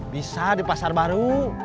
bisa di pasar baru